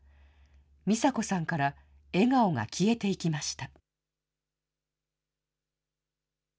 ミサ子さんから笑顔が消えていきました。